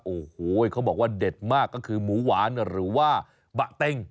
โอ้โหเขาบอกว่าเด็ดมากก็คือหมูหวานหรือว่าบะเต็ง